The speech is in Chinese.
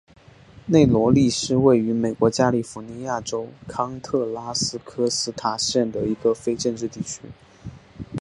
内罗利是位于美国加利福尼亚州康特拉科斯塔县的一个非建制地区。